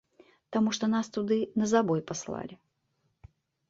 Таму што нас туды на забой паслалі.